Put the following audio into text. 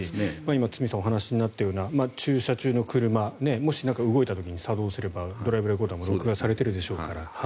今、堤さんがお話になったような駐車中の車もし動いた時に作動すればドライブレコーダーも録画されてるでしょうから。